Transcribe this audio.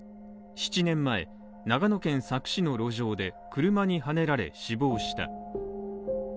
７年前、長野県佐久市の路上で車にはねられ、死亡した。